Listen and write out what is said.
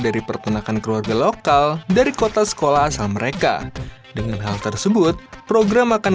dari pertunakan keluarga lokal dari kota sekolah asal mereka dengan hal tersebut program akan